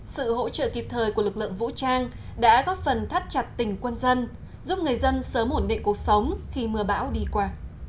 sự hỗ trợ kịp thời của lực lượng vũ trang đã góp phần thắt chặt tình quân dân giúp người dân sớm ổn định cuộc sống khi mưa bão đi qua